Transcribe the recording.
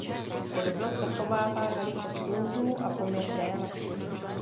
Podobnost zachovává velikost úhlů a poměr délek.